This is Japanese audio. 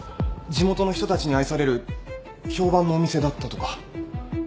地元の人たちに愛される評判のお店だったとか。